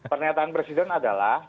pernyataan presiden adalah